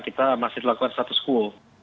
kita masih lakukan satu school